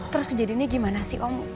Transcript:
terus kejadiannya gimana sih om